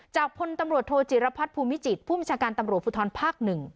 พลตำรวจโทจิรพัฒน์ภูมิจิตผู้บัญชาการตำรวจภูทรภาค๑